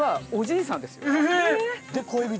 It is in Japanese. で恋人？